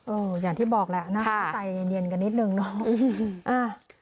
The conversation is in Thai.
เอออย่างที่บอกแล้วนะคะใส่เย็นกันนิดหนึ่งเนาะ